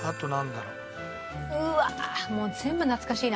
もう全部懐かしいな。